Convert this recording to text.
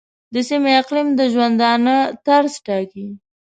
د سیمې اقلیم د ژوندانه طرز ټاکي.